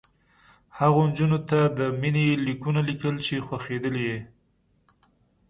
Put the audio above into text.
هغو نجونو ته د مینې لیکونه لیکل چې خوښېدلې یې